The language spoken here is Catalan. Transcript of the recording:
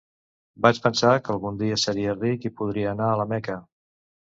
Vaig pensar que algun dia seria ric i podria anar a la Meca.